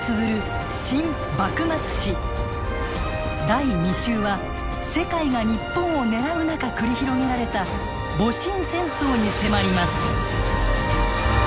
第２集は世界が日本を狙う中繰り広げられた戊辰戦争に迫ります。